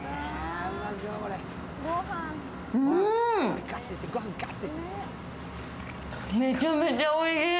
うん、めちゃめちゃおいしい。